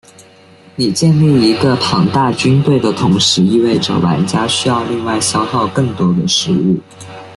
你建立一个庞大军队的同时意味着玩家需要另外消耗更多的食物。